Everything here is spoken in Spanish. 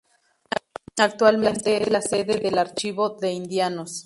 Actualmente es la sede del Archivo de Indianos.